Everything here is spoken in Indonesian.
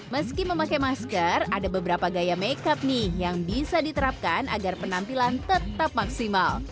meski memakai masker ada beberapa gaya makeup nih yang bisa diterapkan agar penampilan tetap maksimal